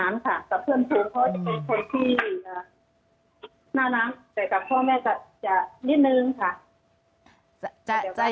อันดับที่สุดท้าย